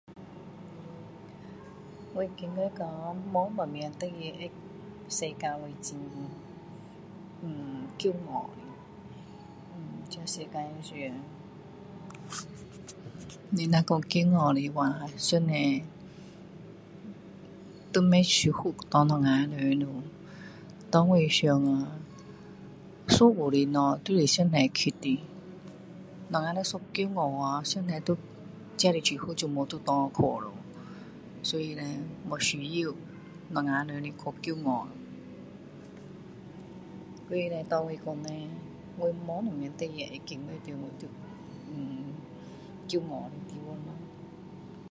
我觉得哟没有什么事情会让到我很hmm骄傲这世界上你如果讲骄傲的话上帝都不会祝福给我们人给我们想所有的东西都是上帝给的我们人一骄傲的时候上帝就会把祝福全部拿去了所以叻没有需要我们人去骄傲所以叻给我讲叻我没有什么事情会感到hmm骄傲